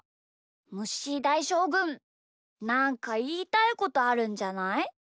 むっしーだいしょうぐんなんかいいたいことあるんじゃない？